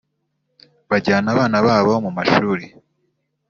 bajyana abana babo mu mashuri